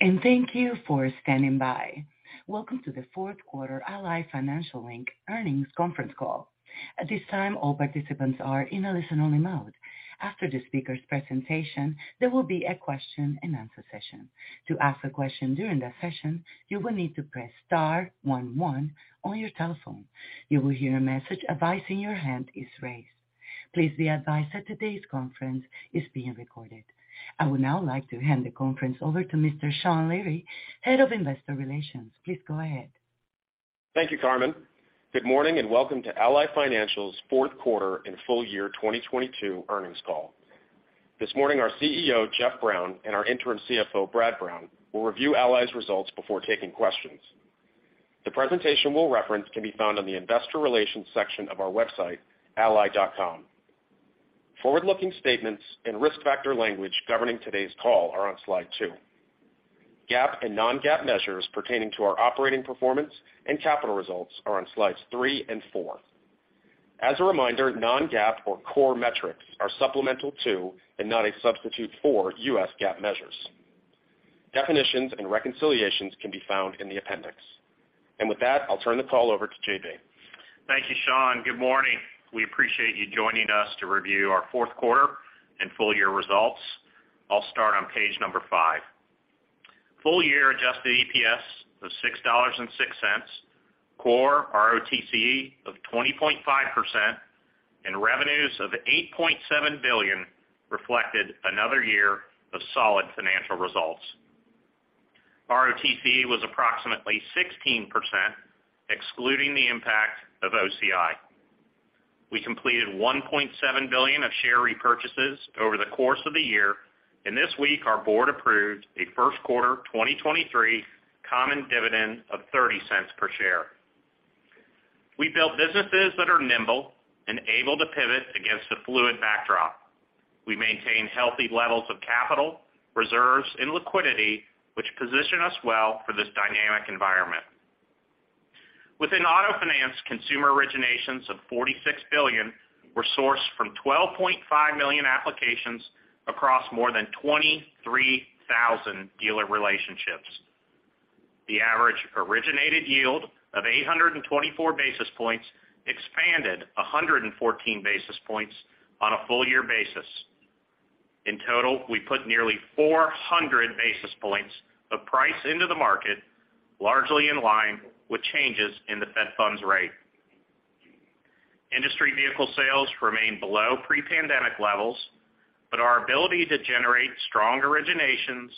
Thank you for standing by. Welcome to the fourth quarter Ally Financial Inc. earnings conference call. At this time, all participants are in a listen-only mode. After the speaker's presentation, there will be a question-and-answer session. To ask a question during that session, you will need to press star one one on your telephone. You will hear a message advising your hand is raised. Please be advised that today's conference is being recorded. I would now like to hand the conference over to Mr. Sean Leary, Head of Investor Relations. Please go ahead. Thank you, Carmen. Good morning and welcome to Ally Financial's fourth quarter and full-year 2022 earnings call. This morning, our CEO, Jeff Brown, and our interim CFO, Brad Brown, will review Ally's results before taking questions. The presentation we'll reference can be found on the investor relations section of our website, ally.com. Forward-looking statements and risk factor language governing today's call are on slide two. GAAP and non-GAAP measures pertaining to our operating performance and capital results are on slides three and four. As a reminder, non-GAAP or core metrics are supplemental to and not a substitute for U.S. GAAP measures. Definitions and reconciliations can be found in the appendix. With that, I'll turn the call over to JB. Thank you, Sean. Good morning. We appreciate you joining us to review our fourth quarter and full-year results. I'll start on page number five. full-year Adjusted EPS of $6.06, Core ROTCE of 20.5%, and revenues of $8.7 billion reflected another year of solid financial results. ROTCE was approximately 16%, excluding the impact of OCI. We completed $1.7 billion of share repurchases over the course of the year, and this week our board approved a first quarter 2023 common dividend of $0.30 per share. We built businesses that are nimble and able to pivot against a fluid backdrop. We maintain healthy levels of capital, reserves, and liquidity, which position us well for this dynamic environment. Within auto finance, consumer originations of $46 billion were sourced from 12.5 million applications across more than 23,000 dealer relationships. The average originated yield of 824 basis points expanded 114 basis points on a full-year basis. In total, we put nearly 400 basis points of price into the market, largely in line with changes in the Fed funds rate. Industry vehicle sales remain below pre-pandemic levels, our ability to generate strong originations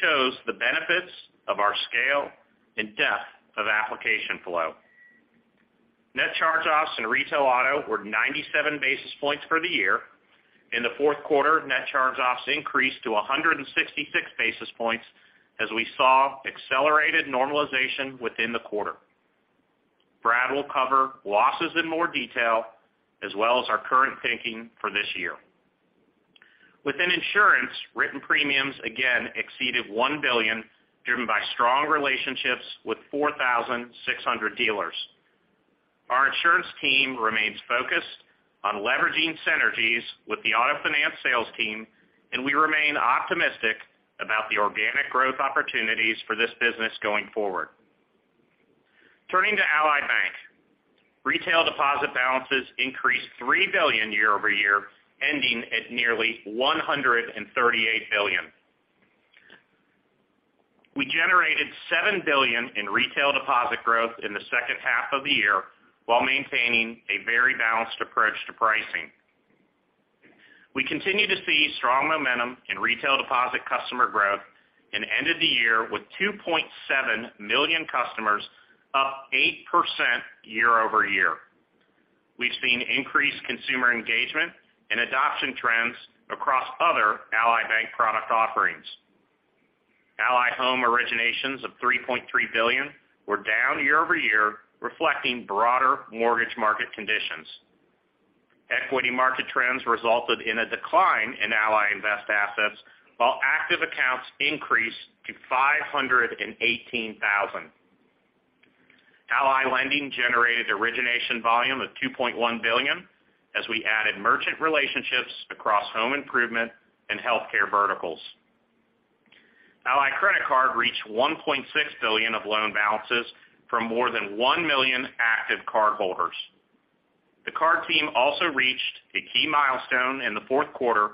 shows the benefits of our scale and depth of application flow. Net charge-offs in retail auto were 97 basis points for the year. In the fourth quarter, net charge-offs increased to 166 basis points as we saw accelerated normalization within the quarter. Brad will cover losses in more detail as well as our current thinking for this year. Within insurance, written premiums again exceeded $1 billion, driven by strong relationships with 4,600 dealers. Our insurance team remains focused on leveraging synergies with the auto finance sales team. We remain optimistic about the organic growth opportunities for this business going forward. Turning to Ally Bank. Retail deposit balances increased $3 billion year-over-year, ending at nearly $138 billion. We generated $7 billion in retail deposit growth in the second half of the year while maintaining a very balanced approach to pricing. We continue to see strong momentum in retail deposit customer growth and ended the year with 2.7 million customers, up 8% year-over-year. We've seen increased consumer engagement and adoption trends across other Ally Bank product offerings. Ally Home originations of $3.3 billion were down year-over-year, reflecting broader mortgage market conditions. Equity market trends resulted in a decline in Ally Invest assets while active accounts increased to 518,000. Ally Lending generated origination volume of $2.1 billion as we added merchant relationships across home improvement and healthcare verticals. Ally Credit Card reached $1.6 billion of loan balances from more than 1 million active cardholders. The card team also reached a key milestone in the fourth quarter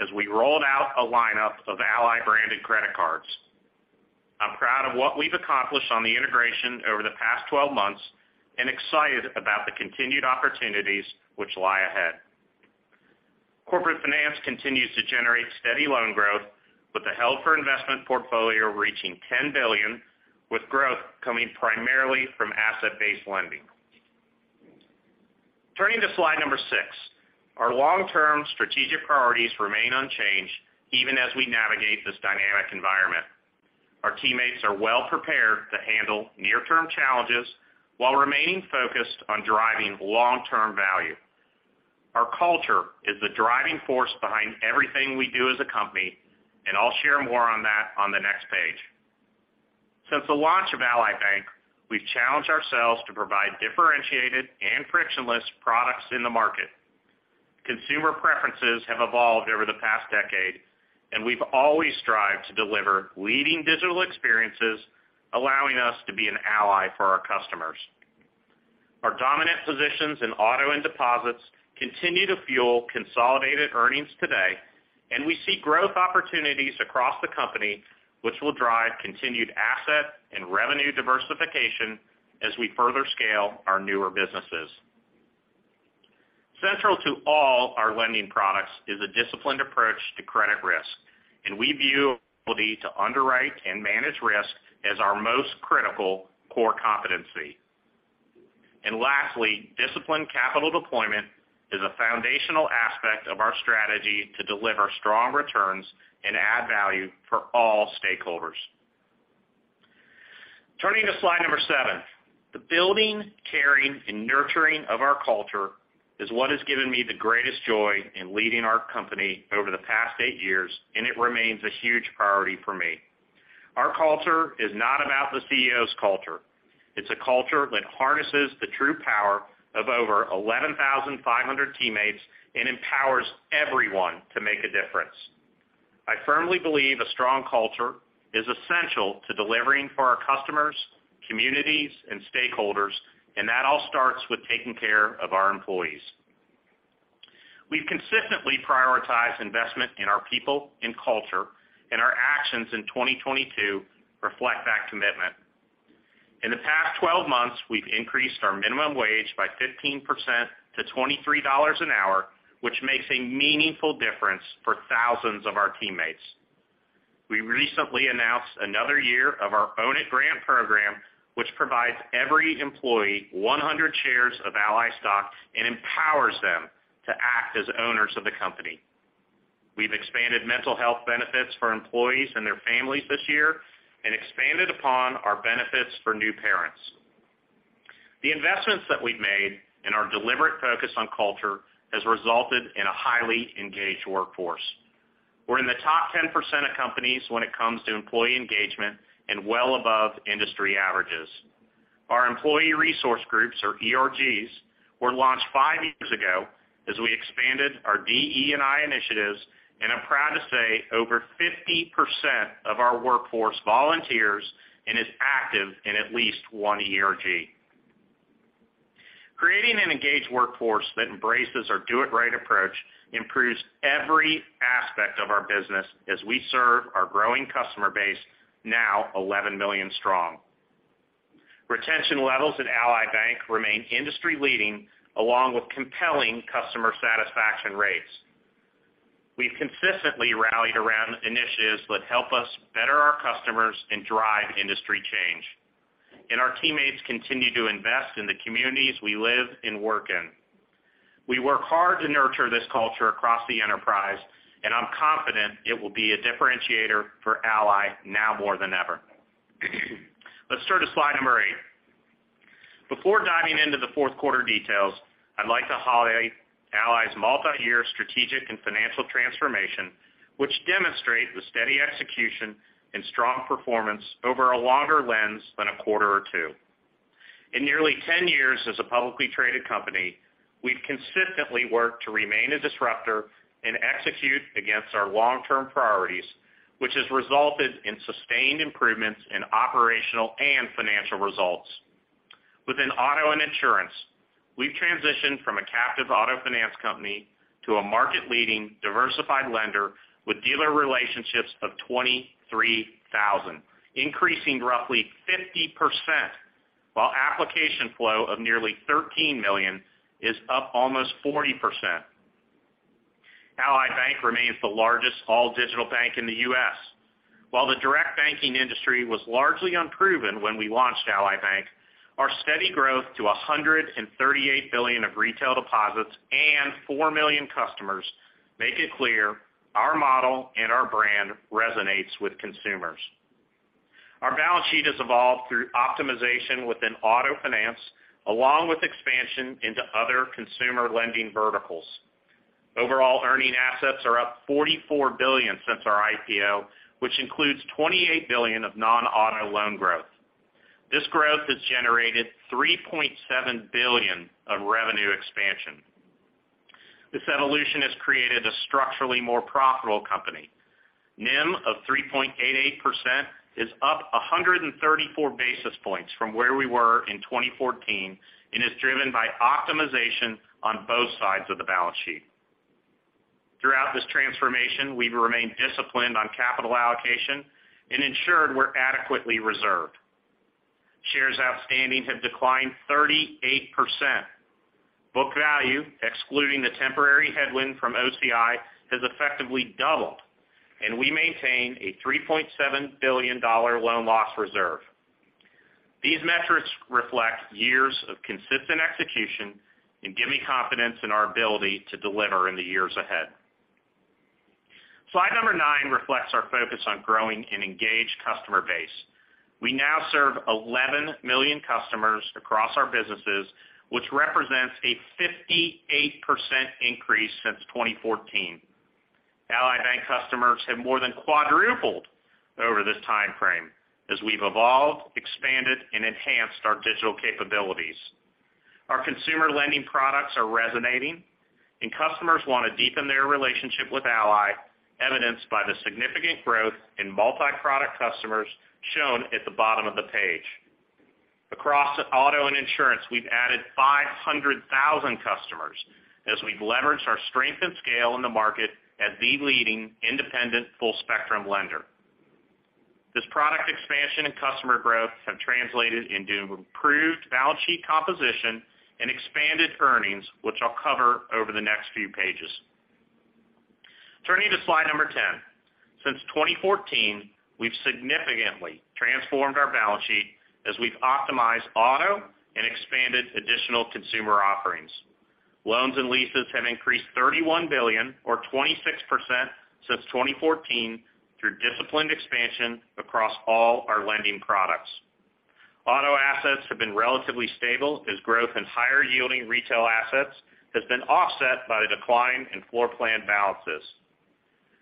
as we rolled out a lineup of Ally-branded credit cards. I'm proud of what we've accomplished on the integration over the past 12 months and excited about the continued opportunities which lie ahead. Corporate Finance continues to generate steady loan growth with the held for investment portfolio reaching $10 billion, with growth coming primarily from asset-based lending. Turning to slide number six. Our long-term strategic priorities remain unchanged even as we navigate this dynamic environment. Our teammates are well prepared to handle near-term challenges while remaining focused on driving long-term value. Our culture is the driving force behind everything we do as a company. I'll share more on that on the next page. Since the launch of Ally Bank, we've challenged ourselves to provide differentiated and frictionless products in the market. Consumer preferences have evolved over the past decade. We've always strived to deliver leading digital experiences, allowing us to be an ally for our customers. Our dominant positions in auto and deposits continue to fuel consolidated earnings today. We see growth opportunities across the company, which will drive continued asset and revenue diversification as we further scale our newer businesses. Central to all our lending products is a disciplined approach to credit risk. We view ability to underwrite and manage risk as our most critical core competency. Lastly, disciplined capital deployment is a foundational aspect of our strategy to deliver strong returns and add value for all stakeholders. Turning to slide number seven. The building, caring, and nurturing of our culture is what has given me the greatest joy in leading our company over the past eight years, and it remains a huge priority for me. Our culture is not about the CEO's culture. It's a culture that harnesses the true power of over 11,500 teammates and empowers everyone to make a difference. I firmly believe a strong culture is essential to delivering for our customers, communities, and stakeholders, and that all starts with taking care of our employees. We've consistently prioritized investment in our people and culture, and our actions in 2022 reflect that commitment. In the past 12 months, we've increased our minimum wage by 15% to $23 an hour, which makes a meaningful difference for thousands of our teammates. We recently announced another year of our Own It grant program, which provides every employee 100 shares of Ally stock and empowers them to act as owners of the company. We've expanded mental health benefits for employees and their families this year and expanded upon our benefits for new parents. The investments that we've made and our deliberate focus on culture has resulted in a highly engaged workforce. We're in the top 10% of companies when it comes to employee engagement and well above industry averages. Our Employee Resource Groups, or ERGs, were launched 5 years ago as we expanded our DE&I initiatives, and I'm proud to say over 50% of our workforce volunteers and is active in at least one ERG. Creating an engaged workforce that embraces our Do It Right approach improves every aspect of our business as we serve our growing customer base, now 11 million strong. Retention levels at Ally Bank remain industry-leading, along with compelling customer satisfaction rates. We've consistently rallied around initiatives that help us better our customers and drive industry change. Our teammates continue to invest in the communities we live and work in. We work hard to nurture this culture across the enterprise, and I'm confident it will be a differentiator for Ally now more than ever. Let's turn to slide number eight. Before diving into the fourth quarter details, I'd like to highlight Ally's multiyear strategic and financial transformation, which demonstrate the steady execution and strong performance over a longer lens than a quarter or two. In nearly 10 years as a publicly traded company, we've consistently worked to remain a disruptor and execute against our long-term priorities, which has resulted in sustained improvements in operational and financial results. Within auto and insurance, we've transitioned from a captive auto finance company to a market-leading diversified lender with dealer relationships of 23,000, increasing roughly 50%, while application flow of nearly 13 million is up almost 40%. Ally Bank remains the largest all-digital bank in the U.S. While the direct banking industry was largely unproven when we launched Ally Bank, our steady growth to $138 billion of retail deposits and 4 million customers make it clear our model and our brand resonates with consumers. Our balance sheet has evolved through optimization within auto finance, along with expansion into other consumer lending verticals. Overall earning assets are up $44 billion since our IPO, which includes $28 billion of non-auto loan growth. This growth has generated $3.7 billion of revenue expansion. This evolution has created a structurally more profitable company. NIM of 3.88% is up 134 basis points from where we were in 2014 and is driven by optimization on both sides of the balance sheet. Throughout this transformation, we've remained disciplined on capital allocation and ensured we're adequately reserved. Shares outstanding have declined 38%. Book value, excluding the temporary headwind from OCI, has effectively doubled. We maintain a $3.7 billion loan loss reserve. These metrics reflect years of consistent execution and give me confidence in our ability to deliver in the years ahead. Slide number nine reflects our focus on growing an engaged customer base. We now serve 11 million customers across our businesses, which represents a 58% increase since 2014. Ally Bank customers have more than quadrupled over this time frame as we've evolved, expanded, and enhanced our digital capabilities. Our consumer lending products are resonating. Customers want to deepen their relationship with Ally, evidenced by the significant growth in multi-product customers shown at the bottom of the page. Across auto and insurance, we've added 500,000 customers as we've leveraged our strength and scale in the market as the leading independent full-spectrum lender. This product expansion and customer growth have translated into improved balance sheet composition and expanded earnings, which I'll cover over the next few pages. Turning to slide number ten. Since 2014, we've significantly transformed our balance sheet as we've optimized auto and expanded additional consumer offerings. Loans and leases have increased $31 billion or 26% since 2014 through disciplined expansion across all our lending products. Auto assets have been relatively stable as growth in higher-yielding retail assets has been offset by the decline in floor plan balances.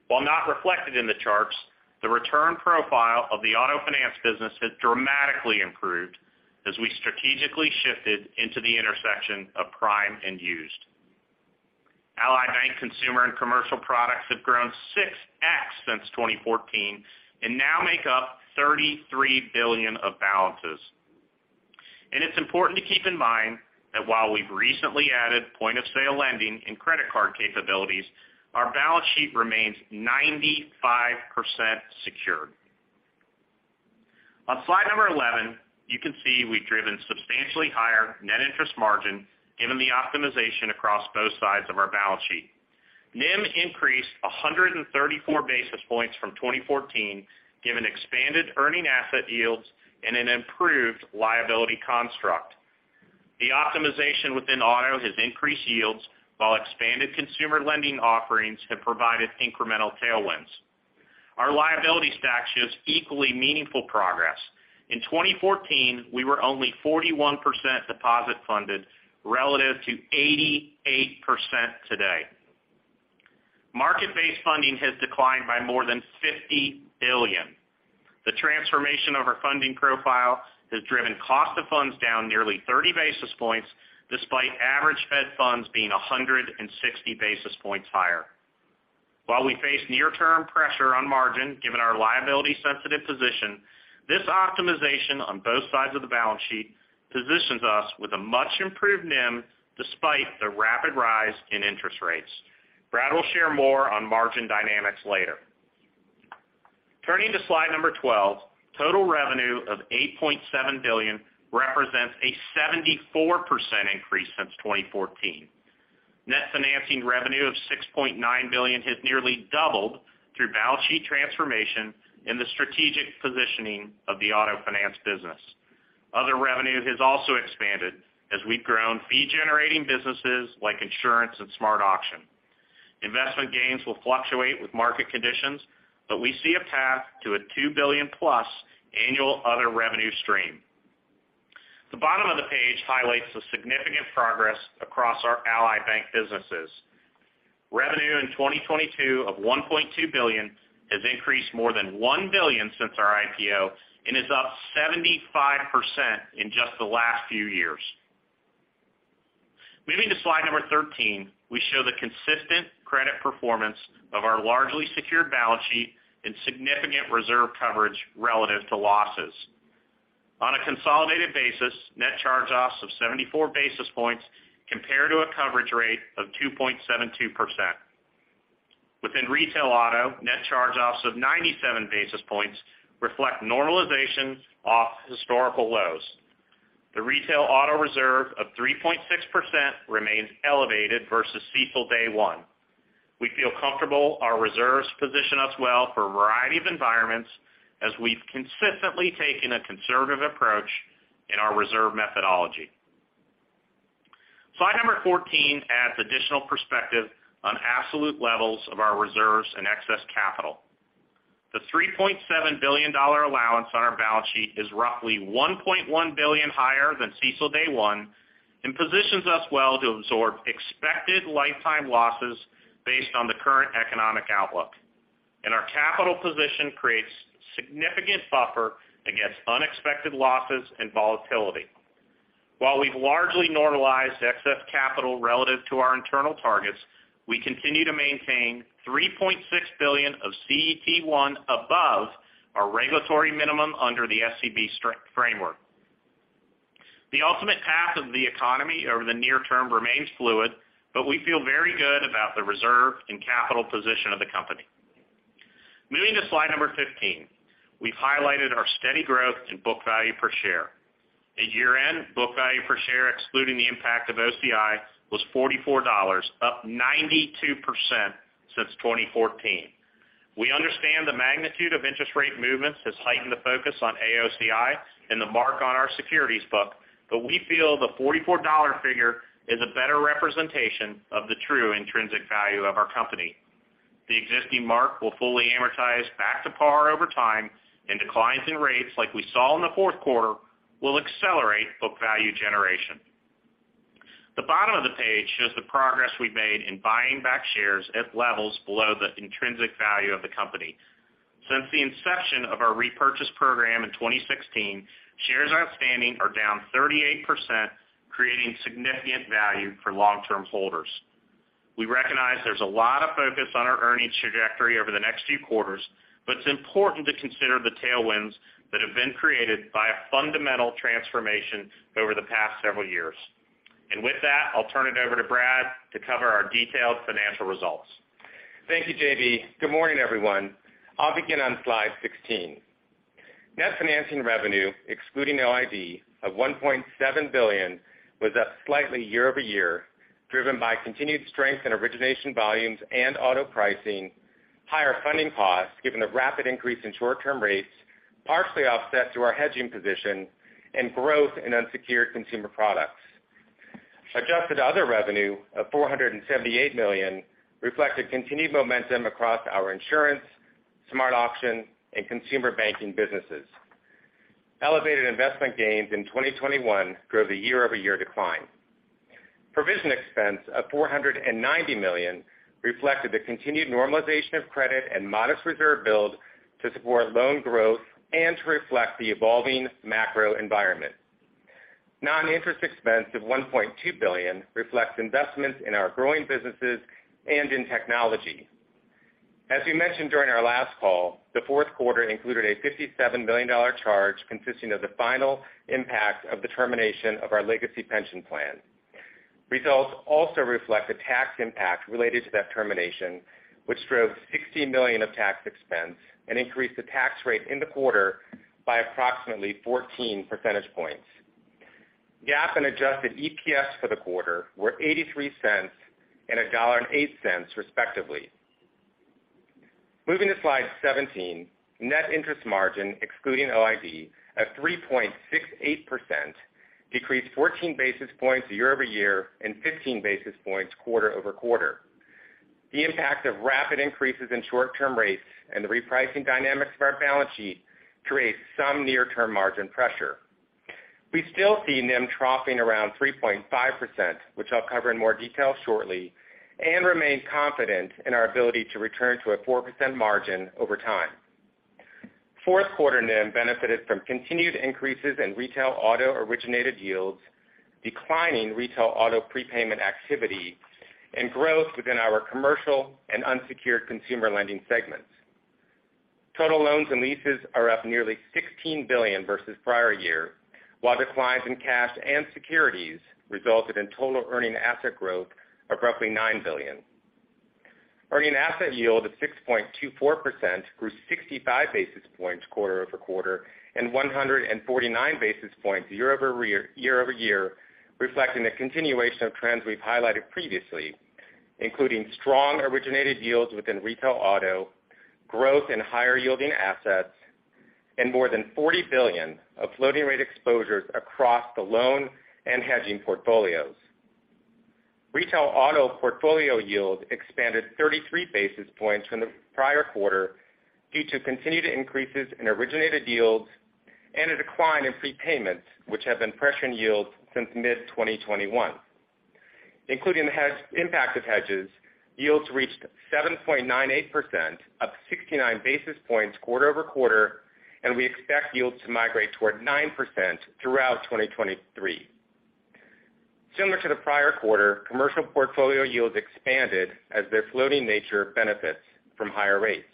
While not reflected in the charts, the return profile of the auto finance business has dramatically improved as we strategically shifted into the intersection of prime and used. Ally Bank consumer and commercial products have grown 6x since 2014 and now make up $33 billion of balances. It's important to keep in mind that while we've recently added point-of-sale lending and credit card capabilities, our balance sheet remains 95% secured. On slide number eleven, you can see we've driven substantially higher net interest margin given the optimization across both sides of our balance sheet. NIM increased 134 basis points from 2014, given expanded earning asset yields and an improved liability construct. The optimization within auto has increased yields, while expanded consumer lending offerings have provided incremental tailwinds. Our liability stack shows equally meaningful progress. In 2014, we were only 41% deposit funded relative to 88% today. Market-based funding has declined by more than $50 billion. The transformation of our funding profile has driven cost of funds down nearly 30 basis points despite average Fed funds being 160 basis points higher. While we face near-term pressure on margin, given our liability-sensitive position, this optimization on both sides of the balance sheet positions us with a much improved NIM despite the rapid rise in interest rates. Brad will share more on margin dynamics later. Turning to slide number twelve, total revenue of $8.7 billion represents a 74% increase since 2014. Net financing revenue of $6.9 billion has nearly doubled through balance sheet transformation and the strategic positioning of the auto finance business. Other revenue has also expanded as we've grown fee-generating businesses like insurance and SmartAuction. Investment gains will fluctuate with market conditions. We see a path to a $2 billion-plus annual other revenue stream. The bottom of the page highlights the significant progress across our Ally Bank businesses. Revenue in 2022 of $1.2 billion has increased more than $1 billion since our IPO and is up 75% in just the last few years. Moving to slide number thirteen, we show the consistent credit performance of our largely secured balance sheet and significant reserve coverage relative to losses. On a consolidated basis, net charge-offs of 74 basis points compare to a coverage rate of 2.72%. Within retail auto, net charge-offs of 97 basis points reflect normalization off historical lows. The retail auto reserve of 3.6% remains elevated versus CECL day one. We feel comfortable our reserves position us well for a variety of environments as we've consistently taken a conservative approach in our reserve methodology. Slide number fourteen adds additional perspective on absolute levels of our reserves and excess capital. The $3.7 billion allowance on our balance sheet is roughly $1.1 billion higher than CECL day one and positions us well to absorb expected lifetime losses based on the current economic outlook. Our capital position creates a significant buffer against unexpected losses and volatility. While we've largely normalized excess capital relative to our internal targets, we continue to maintain $3.6 billion of CET1 above our regulatory minimum under the SCB framework. The ultimate path of the economy over the near term remains fluid, but we feel very good about the reserve and capital position of the company. Moving to slide number fifteen. We've highlighted our steady growth in book value per share. At year-end, book value per share, excluding the impact of OCI, was $44, up 92% since 2014. We understand the magnitude of interest rate movements has heightened the focus on AOCI and the mark on our securities book, but we feel the $44 figure is a better representation of the true intrinsic value of our company. The existing mark will fully amortize back to par over time, and declines in rates, like we saw in the fourth quarter, will accelerate book value generation. The bottom of the page shows the progress we've made in buying back shares at levels below the intrinsic value of the company. Since the inception of our repurchase program in 2016, shares outstanding are down 38%, creating significant value for long-term holders. We recognize there's a lot of focus on our earnings trajectory over the next few quarters, but it's important to consider the tailwinds that have been created by a fundamental transformation over the past several years. With that, I'll turn it over to Brad to cover our detailed financial results. Thank you, JB. Good morning, everyone. I'll begin on slide sixteen. Net financing revenue, excluding OID of $1.7 billion, was up slightly year-over-year, driven by continued strength in origination volumes and auto pricing, higher funding costs given the rapid increase in short-term rates, partially offset through our hedging position and growth in unsecured consumer products. Adjusted other revenue of $478 million reflected continued momentum across our insurance, SmartAuction, and consumer banking businesses. Elevated investment gains in 2021 drove the year-over-year decline. Provision expense of $490 million reflected the continued normalization of credit and modest reserve build to support loan growth and to reflect the evolving macro environment. Non-interest expense of $1.2 billion reflects investments in our growing businesses and in technology. As we mentioned during our last call, the fourth quarter included a $57 million charge consisting of the final impact of the termination of our legacy pension plan. Results also reflect the tax impact related to that termination, which drove $60 million of tax expense and increased the tax rate in the quarter by approximately 14 percentage points. GAAP and Adjusted EPS for the quarter were $0.83 and $1.08, respectively. Moving to slide seventeen. Net interest margin, excluding OID at 3.68%, decreased 14 basis points year-over-year and 15 basis points quarter-over-quarter. The impact of rapid increases in short-term rates and the repricing dynamics of our balance sheet create some near-term margin pressure. We still see NIM troughing around 3.5%, which I'll cover in more detail shortly. We remain confident in our ability to return to a 4% margin over time. Fourth quarter NIM benefited from continued increases in retail auto originated yields, declining retail auto prepayment activity, and growth within our commercial and unsecured consumer lending segments. Total loans and leases are up nearly $16 billion versus prior year, while declines in cash and securities resulted in total earning asset growth of roughly $9 billion. Earning asset yield of 6.24% grew 65 basis points quarter-over-quarter and 149 basis points year-over-year, reflecting the continuation of trends we've highlighted previously, including strong originated yields within retail auto, growth in higher yielding assets, and more than $40 billion of floating rate exposures across the loan and hedging portfolios. Retail auto portfolio yield expanded 33 basis points from the prior quarter due to continued increases in originated yields and a decline in prepayments, which have been pressuring yields since mid-2021. Including the impact of hedges, yields reached 7.98%, up 69 basis points quarter-over-quarter, and we expect yields to migrate toward 9% throughout 2023. Similar to the prior quarter, commercial portfolio yields expanded as their floating nature benefits from higher rates.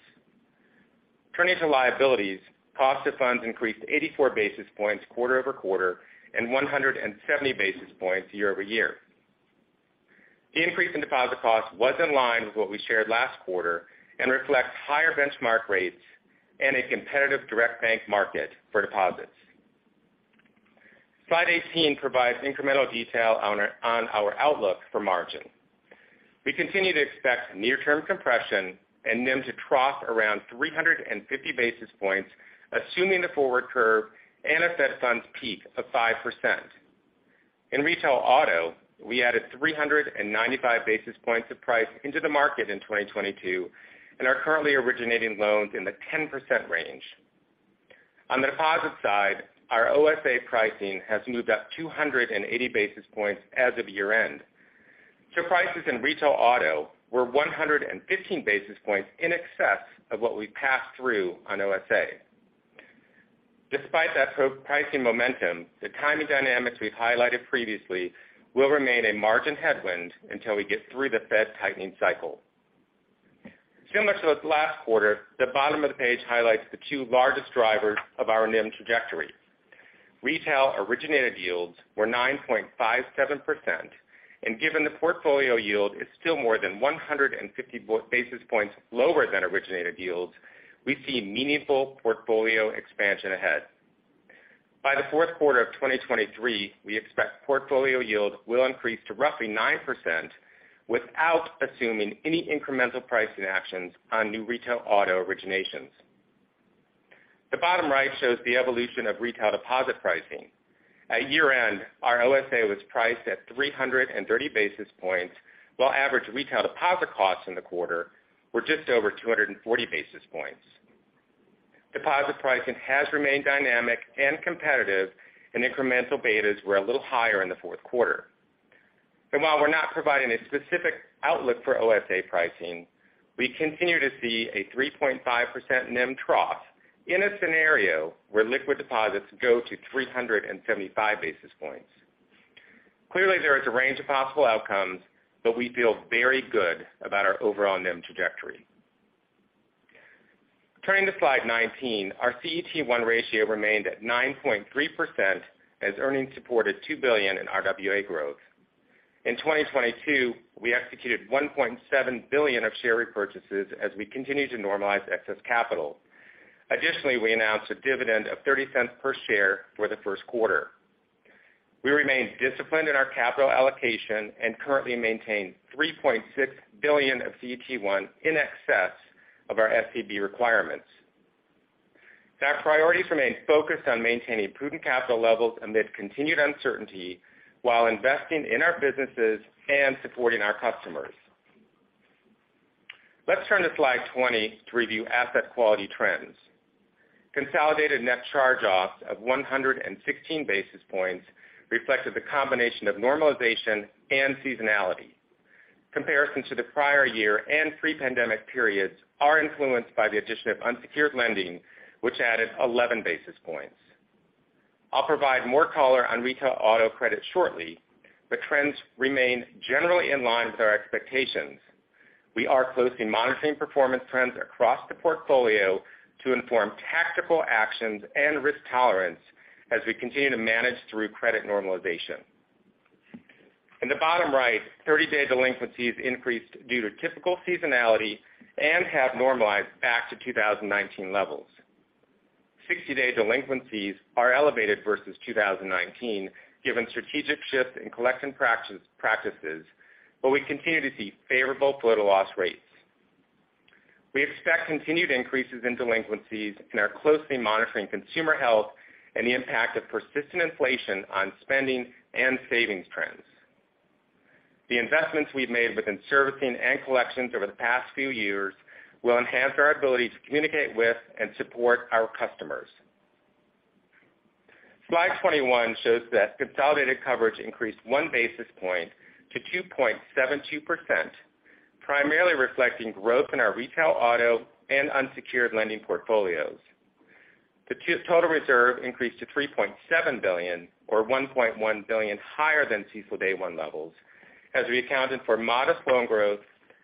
Turning to liabilities, cost of funds increased 84 basis points quarter-over-quarter and 170 basis points year-over-year. The increase in deposit costs was in line with what we shared last quarter and reflects higher benchmark rates and a competitive direct bank market for deposits. Slide eighteen provides incremental detail on our outlook for margin. We continue to expect near-term compression and NIM to trough around 350 basis points, assuming the forward curve and asset funds peak of 5%. In retail auto, we added 395 basis points of price into the market in 2022 and are currently originating loans in the 10% range. On the deposit side, our OSA pricing has moved up 280 basis points as of year-end. Prices in retail auto were 115 basis points in excess of what we passed through on OSA. Despite that pro- pricing momentum, the timing dynamics we've highlighted previously will remain a margin headwind until we get through the Fed tightening cycle. Similar to last quarter, the bottom of the page highlights the two largest drivers of our NIM trajectory. Retail originated yields were 9.57%, and given the portfolio yield is still more than 150 basis points lower than originated yields, we see meaningful portfolio expansion ahead. By the fourth quarter of 2023, we expect portfolio yield will increase to roughly 9% without assuming any incremental pricing actions on new retail auto originations. The bottom right shows the evolution of retail deposit pricing. At year-end, our OSA was priced at 330 basis points, while average retail deposit costs in the quarter were just over 240 basis points. Deposit pricing has remained dynamic and competitive, incremental betas were a little higher in the fourth quarter. While we're not providing a specific outlook for OSA pricing, we continue to see a 3.5% NIM trough in a scenario where liquid deposits go to 375 basis points. Clearly, there is a range of possible outcomes, we feel very good about our overall NIM trajectory. Turning to slide ninteen, our CET1 ratio remained at 9.3% as earnings supported $2 billion in RWA growth. In 2022, we executed $1.7 billion of share repurchases as we continue to normalize excess capital. Additionally, we announced a dividend of $0.30 per share for the first quarter. We remain disciplined in our capital allocation and currently maintain $3.6 billion of CET1 in excess of our SCB requirements. That priority remains focused on maintaining prudent capital levels amid continued uncertainty while investing in our businesses and supporting our customers. Let's turn to slide twenty to review asset quality trends. Consolidated Net Charge-Offs of 116 basis points reflected the combination of normalization and seasonality. Comparison to the prior year and pre-pandemic periods are influenced by the addition of unsecured lending, which added 11 basis points. I'll provide more color on retail auto credit shortly, trends remain generally in line with our expectations. We are closely monitoring performance trends across the portfolio to inform tactical actions and risk tolerance as we continue to manage through credit normalization. In the bottom right, 30-day delinquencies increased due to typical seasonality and have normalized back to 2019 levels. 60-day delinquencies are elevated versus 2019, given strategic shifts in collection practices, we continue to see favorable total loss rates. We expect continued increases in delinquencies and are closely monitoring consumer health and the impact of persistent inflation on spending and savings trends. The investments we've made within servicing and collections over the past few years will enhance our ability to communicate with and support our customers. Slide twenty-one shows that consolidated coverage increased 1 basis point to 2.72%, primarily reflecting growth in our retail auto and unsecured lending portfolios. Total reserve increased to $3.7 billion or $1.1 billion higher than CECL day one levels as we accounted for modest loan growth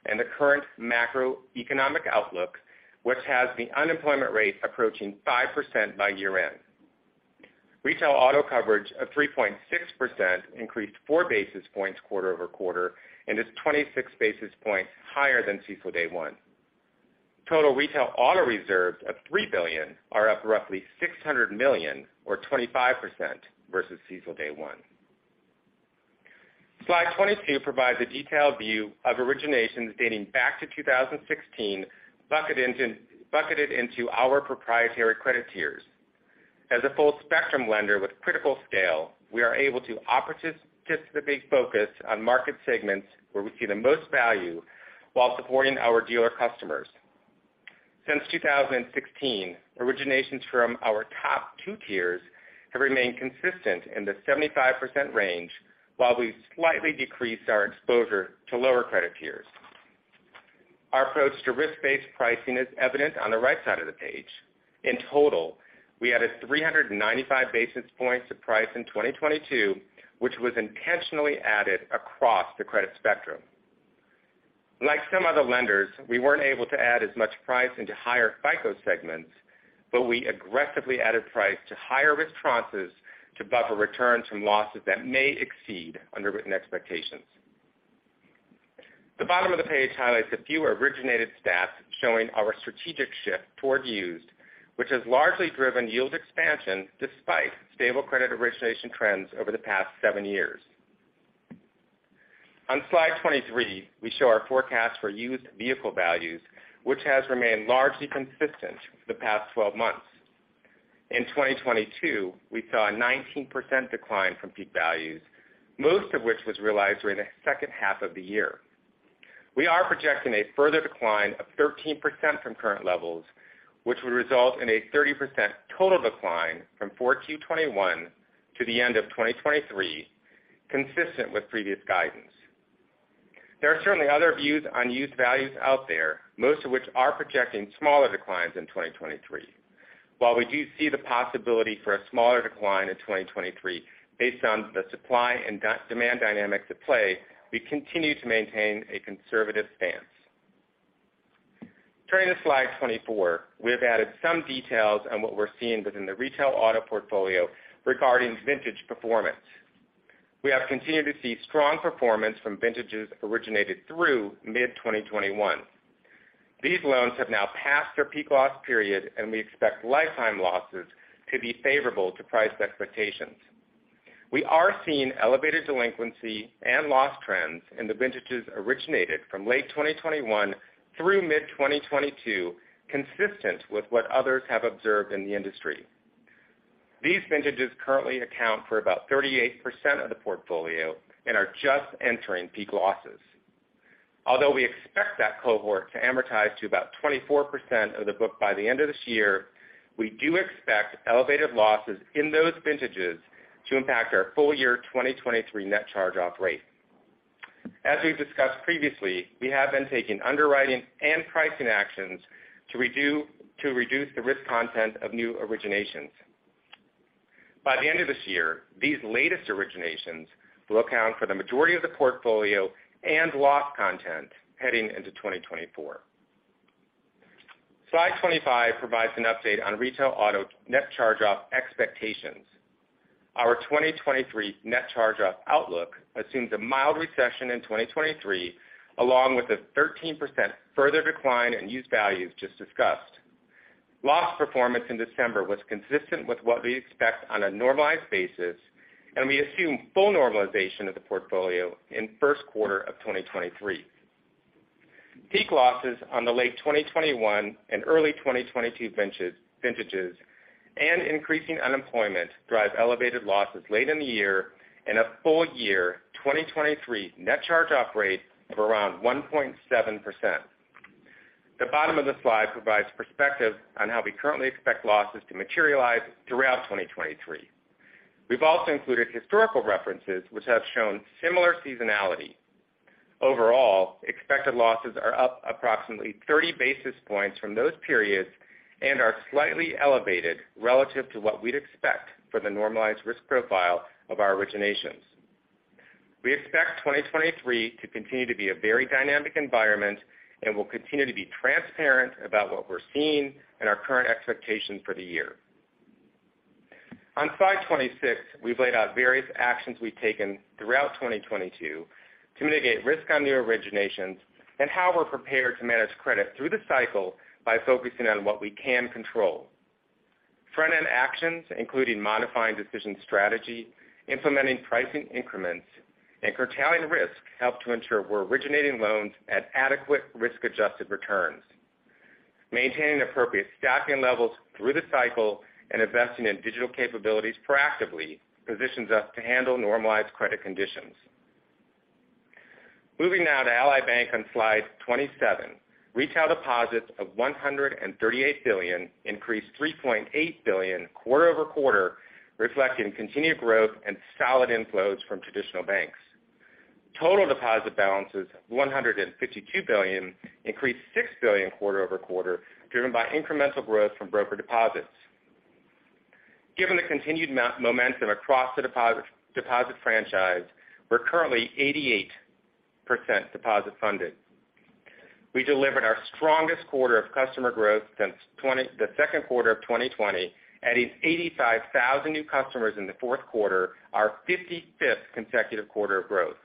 and the current macroeconomic outlook, which has the unemployment rate approaching 5% by year-end. Retail auto coverage of 3.6% increased 4 basis points quarter-over-quarter and is 26 basis points higher than CECL day one. Total retail auto reserves of $3 billion are up roughly $600 million or 25% versus CECL day one. Slide twenty-two provides a detailed view of originations dating back to 2016 bucketed into our proprietary credit tiers. As a full spectrum lender with critical scale, we are able to opportunistically focus on market segments where we see the most value while supporting our dealer customers. Since 2016, originations from our top two tiers have remained consistent in the 75% range while we've slightly decreased our exposure to lower credit tiers. Our approach to risk-based pricing is evident on the right side of the page. In total, we added 395 basis points to price in 2022, which was intentionally added across the credit spectrum. Like some other lenders, we weren't able to add as much price into higher FICO segments, but we aggressively added price to higher risk tranches to buffer returns from losses that may exceed underwritten expectations. The bottom of the page highlights a few originated stats showing our strategic shift toward used, which has largely driven yield expansion despite stable credit origination trends over the past seven years. On slide twenty-three, we show our forecast for used vehicle values, which has remained largely consistent for the past twelve months. In 2022, we saw a 19% decline from peak values, most of which was realized during the second half of the year. We are projecting a further decline of 13% from current levels, which would result in a 30% total decline from 4Q 2021 to the end of 2023, consistent with previous guidance. There are certainly other views on used values out there, most of which are projecting smaller declines in 2023. While we do see the possibility for a smaller decline in 2023 based on the supply and demand dynamics at play, we continue to maintain a conservative stance. Turning to slide twenty-four, we have added some details on what we're seeing within the retail auto portfolio regarding vintage performance. We have continued to see strong performance from vintages originated through mid-2021. These loans have now passed their peak loss period, and we expect lifetime losses to be favorable to price expectations. We are seeing elevated delinquency and loss trends in the vintages originated from late 2021 through mid-2022, consistent with what others have observed in the industry. These vintages currently account for about 38% of the portfolio and are just entering peak losses. Although we expect that cohort to amortize to about 24% of the book by the end of this year, we do expect elevated losses in those vintages to impact our full-year 2023 net charge-off rate. As we've discussed previously, we have been taking underwriting and pricing actions to reduce the risk content of new originations. By the end of this year, these latest originations will account for the majority of the portfolio and loss content heading into 2024. Slide twenty-five provides an update on retail auto Net Charge-Off expectations. Our 2023 Net Charge-Off outlook assumes a mild recession in 2023, along with a 13% further decline in used values just discussed. Loss performance in December was consistent with what we expect on a normalized basis, and we assume full normalization of the portfolio in first quarter of 2023. Peak losses on the late 2021 and early 2022 vintages and increasing unemployment drive elevated losses late in the year and a full-year 2023 Net Charge-Off rate of around 1.7%. The bottom of the slide provides perspective on how we currently expect losses to materialize throughout 2023. We've also included historical references which have shown similar seasonality. Overall, expected losses are up approximately 30 basis points from those periods and are slightly elevated relative to what we'd expect for the normalized risk profile of our originations. We expect 2023 to continue to be a very dynamic environment, and we'll continue to be transparent about what we're seeing and our current expectations for the year. On slide twenty-six, we've laid out various actions we've taken throughout 2022 to mitigate risk on new originations and how we're prepared to manage credit through the cycle by focusing on what we can control. Front-end actions, including modifying decision strategy, implementing pricing increments, and curtailing risk, help to ensure we're originating loans at adequate risk-adjusted returns. Maintaining appropriate staffing levels through the cycle and investing in digital capabilities proactively positions us to handle normalized credit conditions. Moving now to Ally Bank on slide twenty-seven. Retail deposits of $138 billion increased $3.8 billion quarter-over-quarter, reflecting continued growth and solid inflows from traditional banks. Total deposit balances, $152 billion, increased $6 billion quarter-over-quarter, driven by incremental growth from broker deposits. Given the continued momentum across the deposit franchise, we're currently 88% deposit funded. We delivered our strongest quarter of customer growth since the second quarter of 2020, adding 85,000 new customers in the fourth quarter, our 55th consecutive quarter of growth.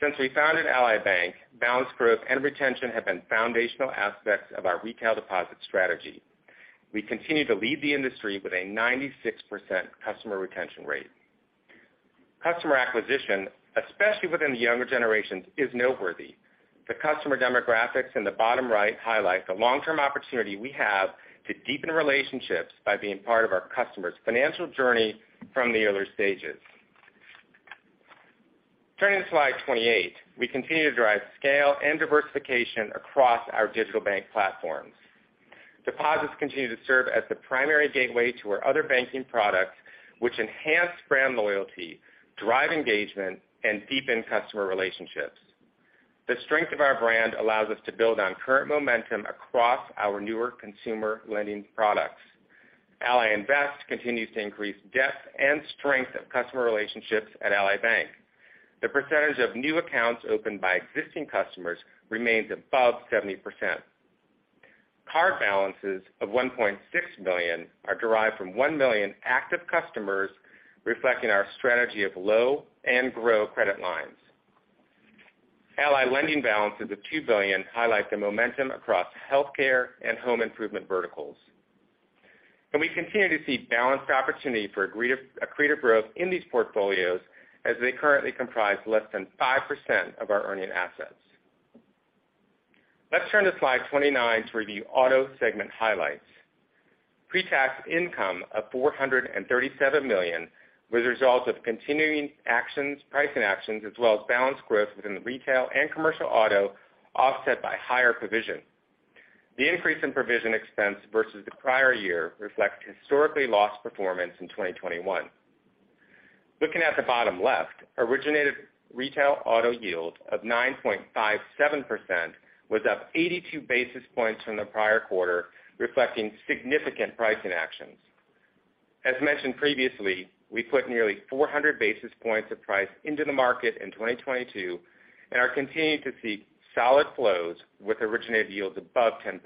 Since we founded Ally Bank, balance growth and retention have been foundational aspects of our retail deposit strategy. We continue to lead the industry with a 96% customer retention rate. Customer acquisition, especially within the younger generations, is noteworthy. The customer demographics in the bottom right highlight the long-term opportunity we have to deepen relationships by being part of our customers' financial journey from the earlier stages. To slide twenty-eight. We continue to drive scale and diversification across our digital bank platforms. Deposits continue to serve as the primary gateway to our other banking products, which enhance brand loyalty, drive engagement, and deepen customer relationships. The strength of our brand allows us to build on current momentum across our newer consumer lending products. Ally Invest continues to increase depth and strength of customer relationships at Ally Bank. The percentage of new accounts opened by existing customers remains above 70%. Card balances of $1.6 million are derived from 1 million active customers, reflecting our strategy of low and grow credit lines. Ally Lending balances of $2 billion highlight the momentum across healthcare and home improvement verticals. We continue to see balanced opportunity for accretive growth in these portfolios as they currently comprise less than 5% of our earning assets. Let's turn to slide twenty-nine to review auto segment highlights. Pre-tax income of $437 million was a result of continuing actions, pricing actions, as well as balanced growth within the retail and commercial auto, offset by higher provision. The increase in provision expense versus the prior year reflects historically loss performance in 2021. Looking at the bottom left, originated retail auto yield of 9.57% was up 82 basis points from the prior quarter, reflecting significant pricing actions. As mentioned previously, we put nearly 400 basis points of price into the market in 2022 and are continuing to see solid flows with originated yields above 10%.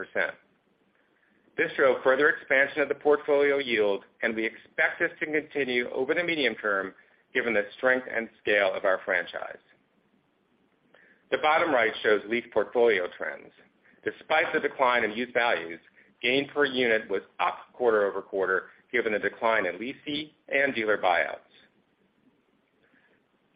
This shows further expansion of the portfolio yield, and we expect this to continue over the medium term given the strength and scale of our franchise. The bottom right shows lease portfolio trends. Despite the decline in used values, gain per unit was up quarter-over-quarter given the decline in lease fee and dealer buyouts.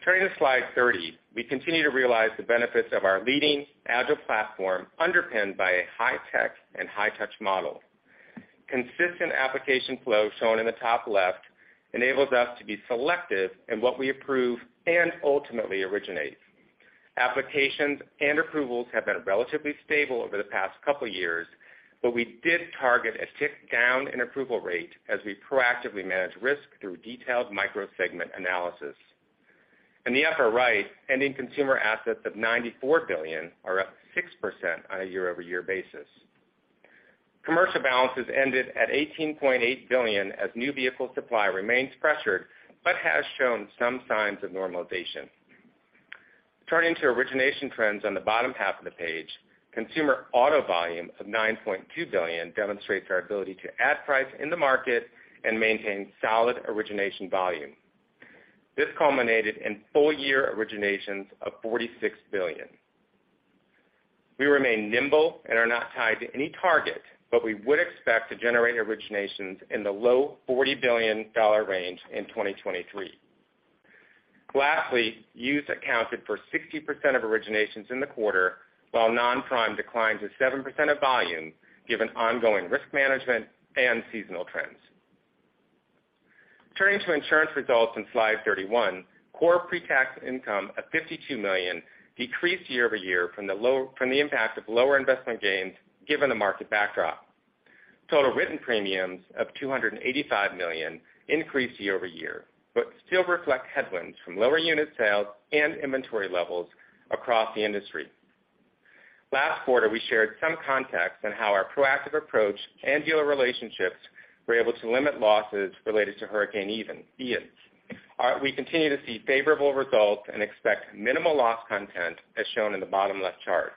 Turning to slide thirty, we continue to realize the benefits of our leading agile platform underpinned by a high-tech and high-touch model. Consistent application flow shown in the top left enables us to be selective in what we approve and ultimately originate. Applications and approvals have been relatively stable over the past couple years, but we did target a tick down in approval rate as we proactively manage risk through detailed microsegment analysis. In the upper right, ending consumer assets of $94 billion are up 6% on a year-over-year basis. Commercial balances ended at $18.8 billion as new vehicle supply remains pressured, but has shown some signs of normalization. Turning to origination trends on the bottom half of the page, consumer auto volume of $9.2 billion demonstrates our ability to add price in the market and maintain solid origination volume. This culminated in full-year originations of $46 billion. We remain nimble and are not tied to any target, but we would expect to generate originations in the low $40 billion range in 2023. Lastly, used accounted for 60% of originations in the quarter, while non-prime declined to 7% of volume given ongoing risk management and seasonal trends. Turning to insurance results on slide thirty-one, core pre-tax income of $52 million decreased year-over-year from the impact of lower investment gains given the market backdrop. Total written premiums of $285 million increased year-over-year, but still reflect headwinds from lower unit sales and inventory levels across the industry. Last quarter, we shared some context on how our proactive approach and dealer relationships were able to limit losses related to Hurricane Ian. We continue to see favorable results and expect minimal loss content as shown in the bottom left chart.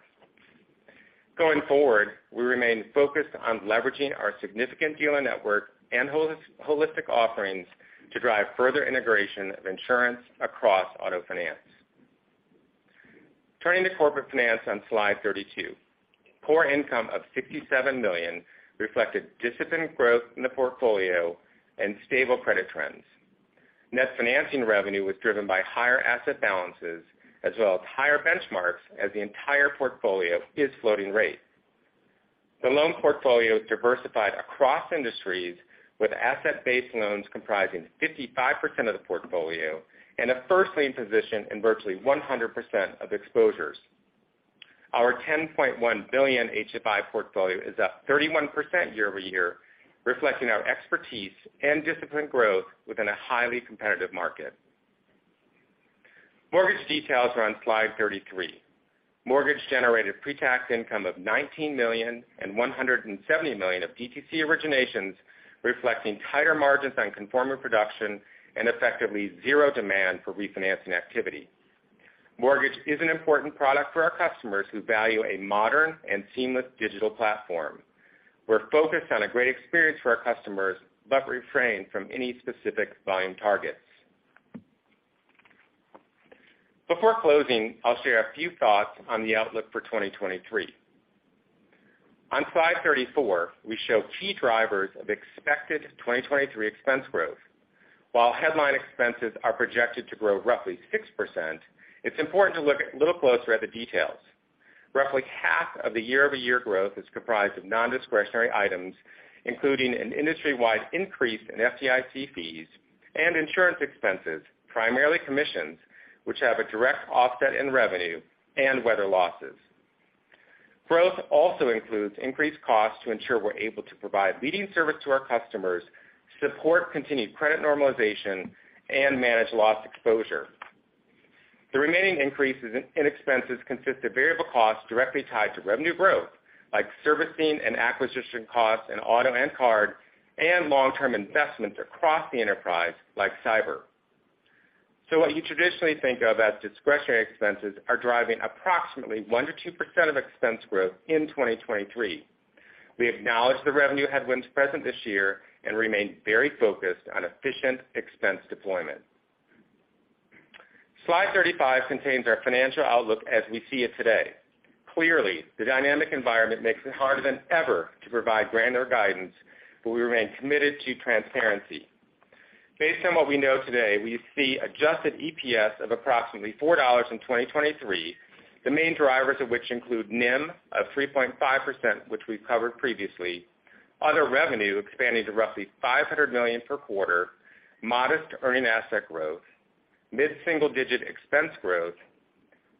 Going forward, we remain focused on leveraging our significant dealer network and holistic offerings to drive further integration of insurance across auto finance. Turning to corporate finance on slide thirty-two. Core income of $67 million reflected disciplined growth in the portfolio and stable credit trends. Net financing revenue was driven by higher asset balances as well as higher benchmarks as the entire portfolio is floating rate. The loan portfolio is diversified across industries, with asset-based loans comprising 55% of the portfolio and a first lien position in virtually 100% of exposures. Our $10.1 billion HFI portfolio is up 31% year-over-year, reflecting our expertise and disciplined growth within a highly competitive market. Mortgage details are on slide thirty-three. Mortgage-generated pre-tax income of $19 million and $170 million of DTC originations, reflecting tighter margins on conforming production and effectively zero demand for refinancing activity. Mortgage is an important product for our customers who value a modern and seamless digital platform. We're focused on a great experience for our customers, but refrain from any specific volume targets. Before closing, I'll share a few thoughts on the outlook for 2023. On slide thirty-four, we show key drivers of expected 2023 expense growth. While headline expenses are projected to grow roughly 6%, it's important to look a little closer at the details. Roughly half of the year-over-year growth is comprised of non-discretionary items, including an industry-wide increase in FDIC fees and insurance expenses, primarily commissions, which have a direct offset in revenue and weather losses. Growth also includes increased costs to ensure we're able to provide leading service to our customers, support continued credit normalization, and manage loss exposure. The remaining increases in expenses consist of variable costs directly tied to revenue growth, like servicing and acquisition costs in auto and card, and long-term investments across the enterprise, like cyber. What you traditionally think of as discretionary expenses are driving approximately 1%-2% of expense growth in 2023. We acknowledge the revenue headwinds present this year and remain very focused on efficient expense deployment. Slide thirty-five contains our financial outlook as we see it today. Clearly, the dynamic environment makes it harder than ever to provide granular guidance, but we remain committed to transparency. Based on what we know today, we see Adjusted EPS of approximately $4 in 2023, the main drivers of which include NIM of 3.5%, which we've covered previously, other revenue expanding to roughly $500 million per quarter, modest earning asset growth, mid-single-digit expense growth,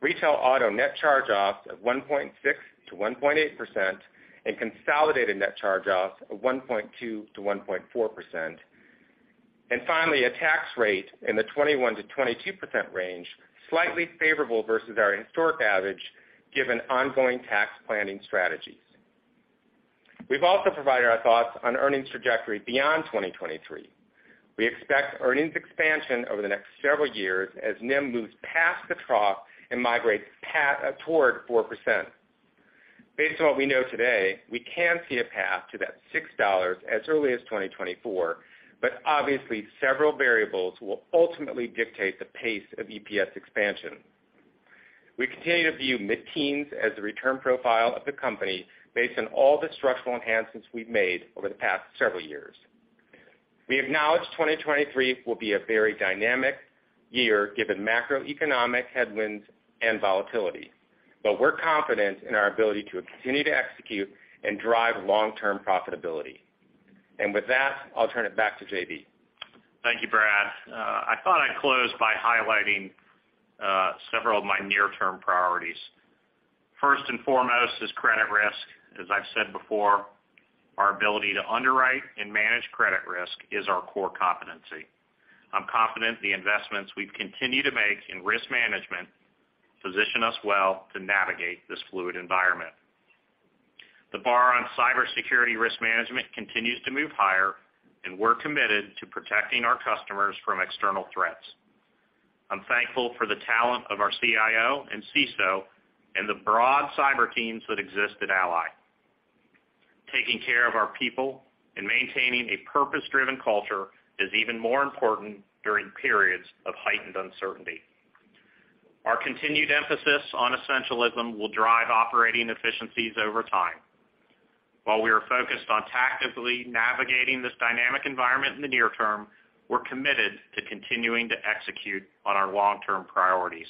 retail auto Net Charge-Offs of 1.6%-1.8%, and consolidated Net Charge-Offs of 1.2%-1.4%. Finally, a tax rate in the 21%-22% range, slightly favorable versus our historic average, given ongoing tax planning strategies. We've also provided our thoughts on earnings trajectory beyond 2023. We expect earnings expansion over the next several years as NIM moves past the trough and migrates toward 4%. Based on what we know today, we can see a path to that $6 as early as 2024, obviously, several variables will ultimately dictate the pace of EPS expansion. We continue to view mid-teens as the return profile of the company based on all the structural enhancements we've made over the past several years. We acknowledge 2023 will be a very dynamic year given macroeconomic headwinds and volatility. We're confident in our ability to continue to execute and drive long-term profitability. With that, I'll turn it back to J.B. Thank you, Brad. I thought I'd close by highlighting several of my near-term priorities. First and foremost is credit risk. As I've said before, our ability to underwrite and manage credit risk is our core competency. I'm confident the investments we've continued to make in risk management position us well to navigate this fluid environment. The bar on cybersecurity risk management continues to move higher, and we're committed to protecting our customers from external threats. I'm thankful for the talent of our CIO and CISO and the broad cyber teams that exist at Ally. Taking care of our people and maintaining a purpose-driven culture is even more important during periods of heightened uncertainty. Our continued emphasis on essentialism will drive operating efficiencies over time. We are focused on tactically navigating this dynamic environment in the near term, we're committed to continuing to execute on our long-term priorities.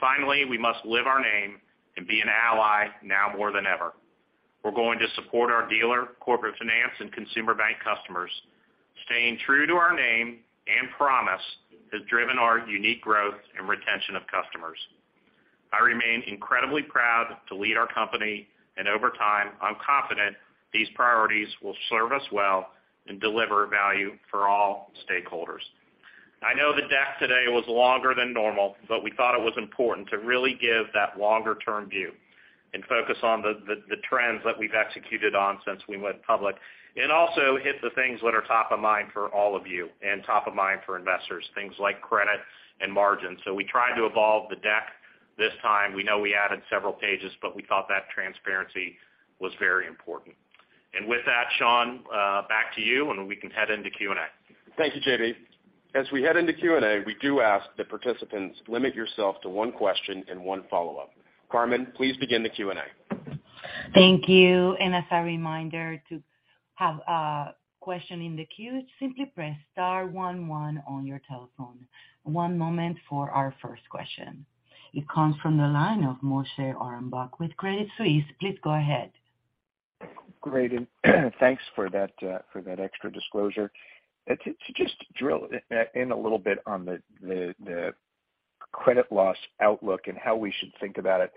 Finally, we must live our name and be an Ally now more than ever. We're going to support our dealer, Corporate Finance, and consumer bank customers. Staying true to our name and promise has driven our unique growth and retention of customers. I remain incredibly proud to lead our company, and over time, I'm confident these priorities will serve us well and deliver value for all stakeholders. I know the deck today was longer than normal, but we thought it was important to really give that longer-term view and focus on the trends that we've executed on since we went public. Also hit the things that are top of mind for all of you and top of mind for investors, things like credit and margin. We tried to evolve the deck this time. We know we added several pages, but we thought that transparency was very important. With that, Sean, back to you, and we can head into Q&A. Thank you, J.B. As we head into Q&A, we do ask that participants limit yourself to one question and one follow-up. Carmen, please begin the Q&A. Thank you. As a reminder, to have a question in the queue, simply press star one-one on your telephone. One moment for our first question. It comes from the line of Moshe Orenbuch with Credit Suisse. Please go ahead. Great. Thanks for that, for that extra disclosure. To just drill in a little bit on the credit loss outlook and how we should think about it.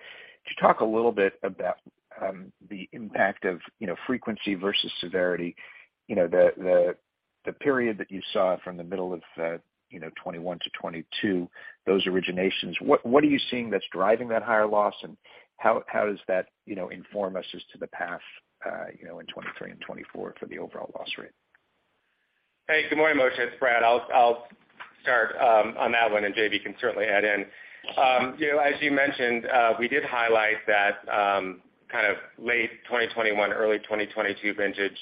Could you talk a little bit about, the impact of, you know, frequency versus severity? You know, the period that you saw from the middle of, you know, 2021 to 2022, those originations. What are you seeing that's driving that higher loss, and how does that, you know, inform us as to the path, you know, in 2023 and 2024 for the overall loss rate? Hey, good morning, Moshe, it's Brad. I'll start on that one, J.B. can certainly add in. You know, as you mentioned, we did highlight that kind of late 2021, early 2022 vintage.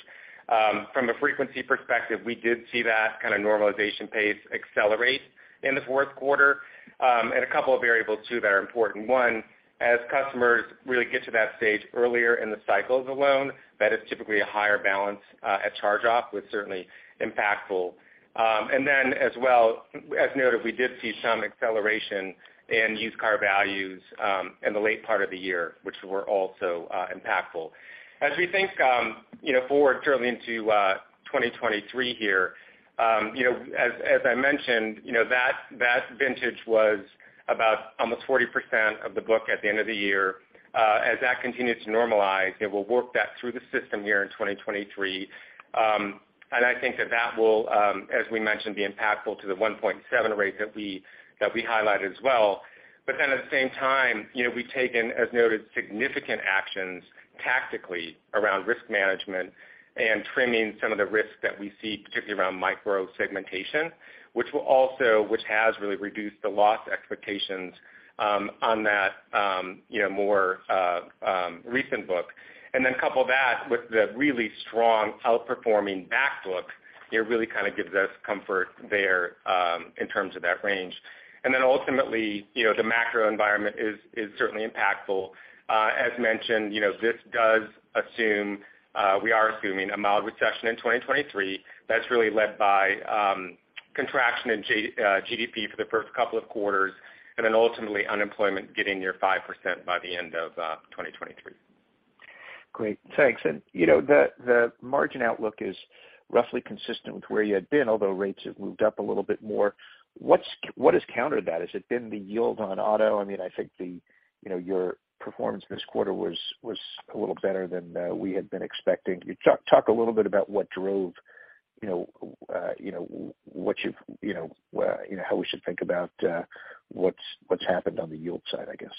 From a frequency perspective, we did see that kind of normalization pace accelerate in the fourth quarter. A couple of variables too that are important. One, as customers really get to that stage earlier in the cycle of the loan, that is typically a higher balance at charge-off was certainly impactful. Then as well, as noted, we did see some acceleration in used car values in the late part of the year, which were also impactful. As we think, you know, forward certainly into 2023 here, you know, as I mentioned, you know, that vintage was about almost 40% of the book at the end of the year. As that continues to normalize, it will work that through the system here in 2023. I think that will, as we mentioned, be impactful to the 1.7 rate that we highlighted as well. At the same time, you know, we've taken, as noted, significant actions tactically around risk management and trimming some of the risks that we see, particularly around micro-segmentation, which has really reduced the loss expectations on that, you know, more recent book. Couple that with the really strong outperforming back book, it really kind of gives us comfort there, in terms of that range. Ultimately, you know, the macro environment is certainly impactful. As mentioned, you know, this does assume, we are assuming a mild recession in 2023 that's really led by, contraction in GDP for the first couple of quarters, and then ultimately unemployment getting near 5% by the end of 2023. Great. Thanks. You know, the margin outlook is roughly consistent with where you had been, although rates have moved up a little bit more. What has countered that? Has it been the yield on auto? I mean, I think the, you know, your performance this quarter was a little better than, we had been expecting. Can you talk a little bit about what drove, you know, what you've, you know, how we should think about what's happened on the yield side, I guess?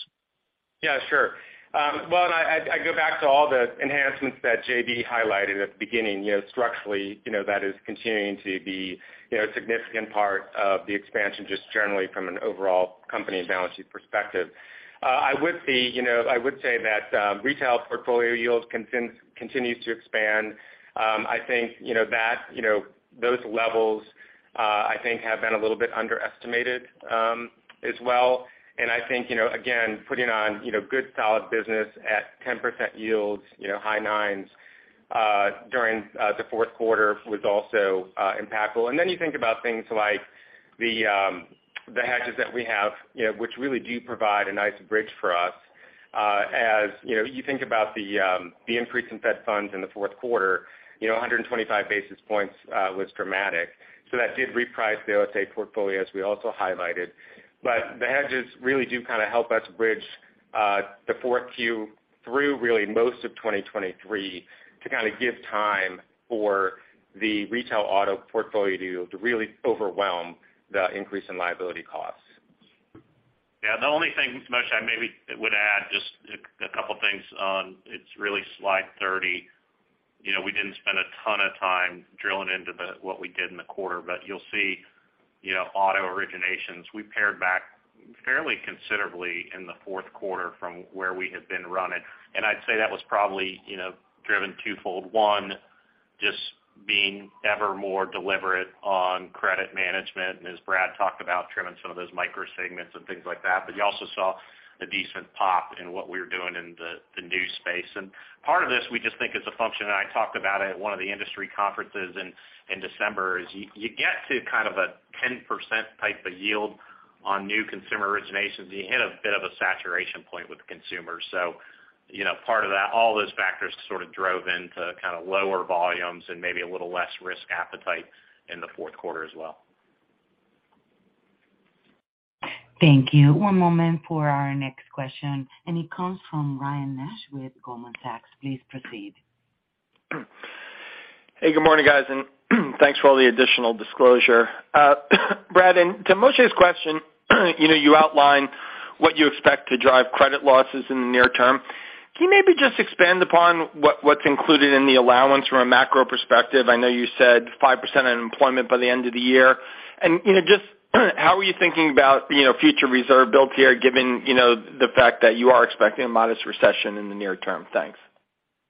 Yeah, sure. Well, I go back to all the enhancements that J.B. highlighted at the beginning. You know, structurally, you know, that is continuing to be, you know, a significant part of the expansion just generally from an overall company and balance sheet perspective. I would see, you know, I would say that retail portfolio yield continues to expand. I think, you know, that, you know, those levels, I think have been a little bit underestimated as well. I think, you know, again, putting on, you know, good solid business at 10% yields, you know, high nines, during the fourth quarter was also impactful. Then you think about things like the hedges that we have, you know, which really do provide a nice bridge for us, as, you know, you think about the increase in Fed funds in the fourth quarter, you know, 125 basis points, was dramatic. That did reprice the OSA portfolio as we also highlighted. The hedges really do kind of help us bridge, the fourth Q through really most of 2023 to kind of give time for the retail auto portfolio to really overwhelm the increase in liability costs. Yeah. The only thing, Moshe, I maybe would add just a couple things on, it's really slide thirty. You know, we didn't spend a ton of time drilling into what we did in the quarter, but you'll see, you know, auto originations, we paired back fairly considerably in the fourth quarter from where we had been running. I'd say that was probably, you know, driven twofold. One, just being ever more deliberate on credit management, and as Brad talked about trimming some of those micro segments and things like that. You also saw a decent pop in what we were doing in the new space. Part of this we just think is a function, I talked about it at one of the industry conferences in December, is you get to kind of a 10% type of yield on new consumer originations. You hit a bit of a saturation point with consumers. You know, part of that, all those factors sort of drove into kind of lower volumes and maybe a little less risk appetite in the fourth quarter as well. Thank you. One moment for our next question. It comes from Ryan Nash with Goldman Sachs. Please proceed. Hey, good morning, guys, and thanks for all the additional disclosure. Brad, and to Moshe's question, you know, you outlined what you expect to drive credit losses in the near term. Can you maybe just expand upon what's included in the allowance from a macro perspective? I know you said 5% unemployment by the end of the year. You know, just, how are you thinking about, you know, future reserve builds here given, you know, the fact that you are expecting a modest recession in the near term? Thanks.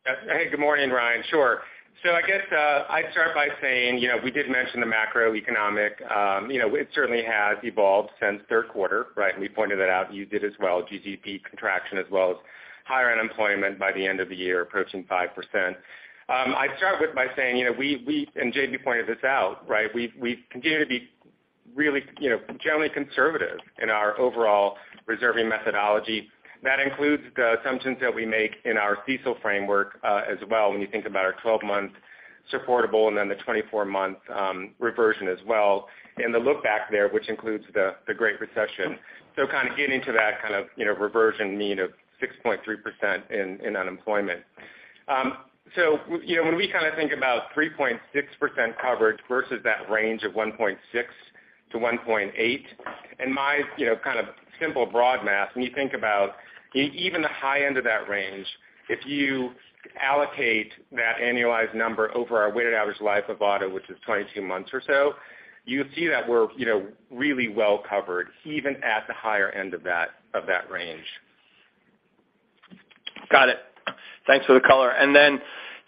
Yeah. Hey, good morning, Ryan Nash. Sure. I guess I'd start by saying, you know, we did mention the macroeconomic. You know, it certainly has evolved since third quarter, right? We pointed that out. You did as well. GDP contraction as well as higher unemployment by the end of the year, approaching 5%. I'd start with by saying, you know, we and J.B. pointed this out, right? We continue to be really, you know, generally conservative in our overall reserving methodology. That includes the assumptions that we make in our CECL framework as well, when you think about our 12-month supportable and then the 24-month reversion as well, and the look back there, which includes the Great Recession. Kind of getting to that kind of, you know, reversion mean of 6.3% in unemployment. You know, when we kind of think about 3.6% coverage versus that range of 1.6%-1.8%, in my, you know, kind of simple broad math, when you think about even the high end of that range, if you allocate that annualized number over our weighted average life of auto, which is 22 months or so, you see that we're, you know, really well covered even at the higher end of that range. Got it. Thanks for the color.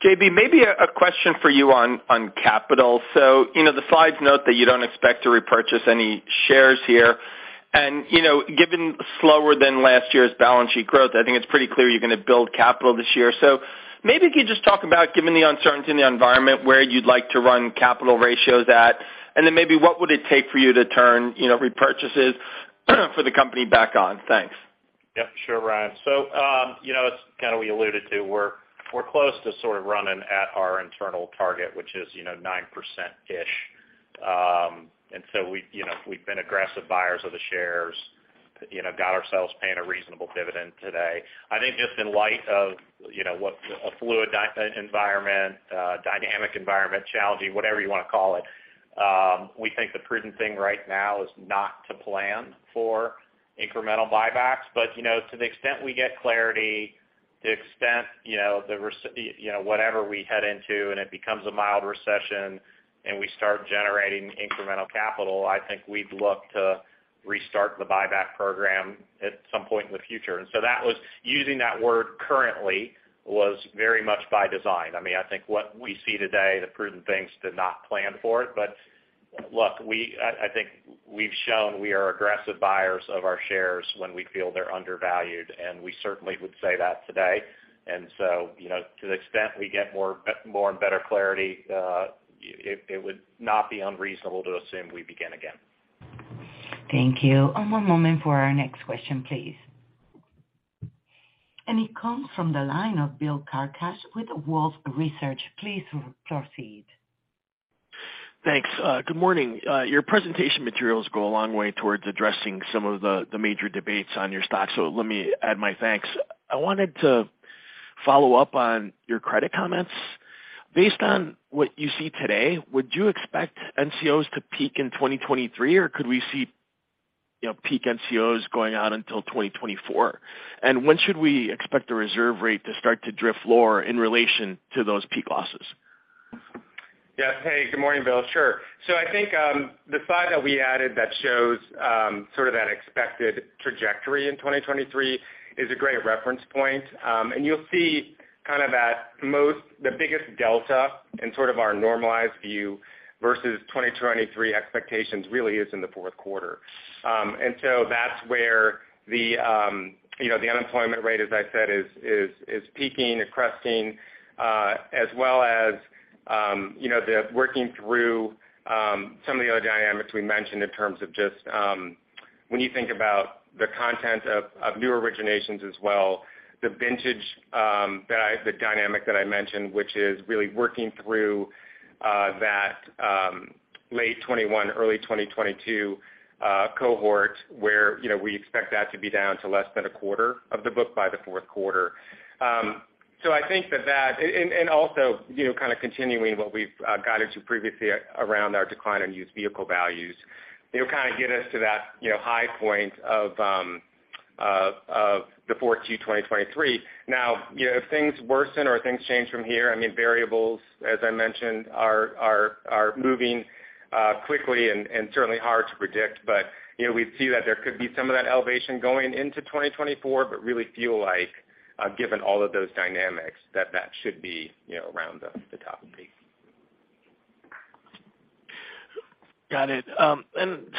J.B., maybe a question for you on capital. You know, the slides note that you don't expect to repurchase any shares here. You know, given slower than last year's balance sheet growth, I think it's pretty clear you're gonna build capital this year. Maybe if you could just talk about, given the uncertainty in the environment, where you'd like to run capital ratios at, and then maybe what would it take for you to turn, you know, repurchases for the company back on? Thanks. Yeah, sure, Ryan. You know, it's kind of we alluded to, we're close to sort of running at our internal target, which is, you know, 9%-ish. We, you know, we've been aggressive buyers of the shares, you know, got ourselves paying a reasonable dividend today. I think just in light of, you know, what a fluid dynamic environment, challenging, whatever you wanna call it, we think the prudent thing right now is not to plan for incremental buybacks. You know, to the extent we get clarity, the extent, you know, whatever we head into, and it becomes a mild recession and we start generating incremental capital, I think we'd look to restart the buyback program at some point in the future. That was, using that word currently was very much by design. I mean, I think what we see today, the prudent thing's to not plan for it. Look, I think we've shown we are aggressive buyers of our shares when we feel they're undervalued, and we certainly would say that today. You know, to the extent we get more and better clarity, it would not be unreasonable to assume we begin again. Thank you. One moment for our next question, please. It comes from the line of Bill Carcache with Wolfe Research. Please proceed. Thanks. Good morning. Your presentation materials go a long way towards addressing some of the major debates on your stock, so let me add my thanks. I wanted to follow up on your credit comments. Based on what you see today, would you expect NCOs to peak in 2023, or could we see, you know, peak NCOs going out until 2024? When should we expect the reserve rate to start to drift lower in relation to those peak losses? Yes. Hey, good morning, Bill. Sure. I think the slide that we added that shows, sort of that expected trajectory in 2023 is a great reference point. You'll see kind of at most the biggest delta in sort of our normalized view versus 2023 expectations really is in the fourth quarter. That's where the, you know, the unemployment rate, as I said, is peaking and cresting, as well as, you know, the working through some of the other dynamics we mentioned in terms of just, when you think about the content of new originations as well, the vintage, the dynamic that I mentioned, which is really working through that late 2021, early 2022 cohort, where, you know, we expect that to be down to less than a quarter of the book by the fourth quarter. I think that, and also, you know, kind of continuing what we've guided to previously around our decline in used vehicle values, it'll kind of get us to that, you know, high point of the 4Q 2023. You know, if things worsen or things change from here, I mean, variables, as I mentioned, are moving quickly and certainly hard to predict. You know, we see that there could be some of that elevation going into 2024, but really feel like given all of those dynamics, that that should be, you know, around the top of the peak. Got it.